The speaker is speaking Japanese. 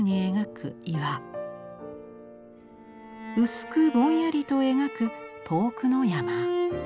薄くぼんやりと描く遠くの山。